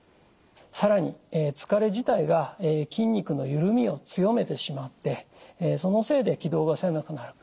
更に疲れ自体が筋肉のゆるみを強めてしまってそのせいで気道が狭くなる。